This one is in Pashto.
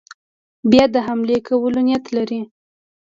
بیا د حملې کولو نیت لري.